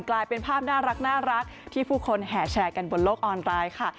กลายเป็นภาพน่ารักที่ผู้คนแห่แชร์กันบนโลกออนไลน์ค่ะ